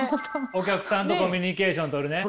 お客さんとコミュニケーションとるね。